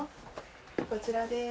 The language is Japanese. こちらです。